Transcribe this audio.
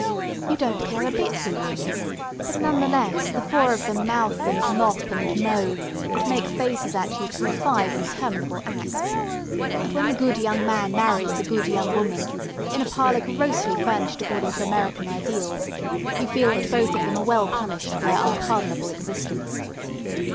You don't care a bit who wins, but none the less, the four of them mouth and mop and mow and make faces at you through five interminable acts, and when the good young man marries the good young woman in a parlour grossly furnished according to American ideals, you feel that both of them are well punished for their unpardonable existence.